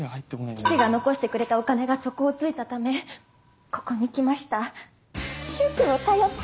父が残してくれたお金が底を突いたためここに来ました柊君を頼って。